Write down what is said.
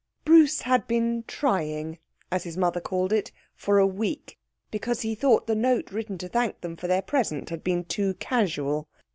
Bruce had been trying, as his mother called it, for a week, because he thought the note written to thank them for their present had been too casual.